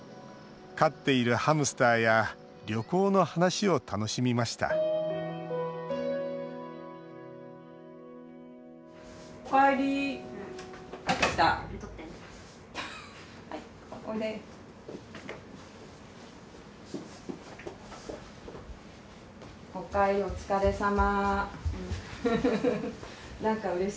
飼っているハムスターや旅行の話を楽しみましたおかえり。